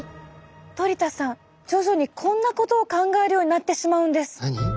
トリ田さん徐々にこんなことを考えるようになってしまうんです。